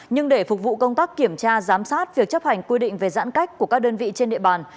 nhưng để phục vụ công tác kiểm tra giám sát việc chấp hành quy định về giãn cách của các đơn vị trên địa bàn